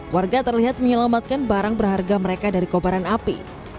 warga terlihat menyelamatkan barang berharga mereka dari kobaran api